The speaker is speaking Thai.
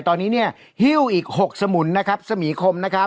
ตอนนี้หิ้วอีก๖สมุลสมีคม